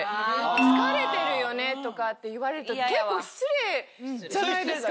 「疲れてるよね？」とかって言われると結構失礼じゃないですか？